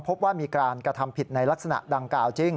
พบว่ามีการกระทำผิดในลักษณะดังกล่าวจริง